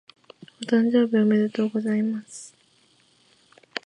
お誕生日おめでとうございます。